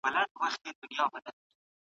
دا پلان تعقیبول اسانه نه دي.